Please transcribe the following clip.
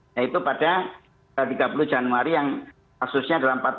yaitu pada tiga puluh januari yang kasusnya adalah empat puluh